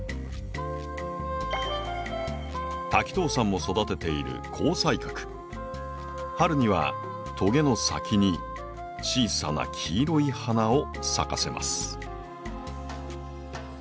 滝藤さんも育てている春にはトゲの先に小さな黄色い花を咲かせます。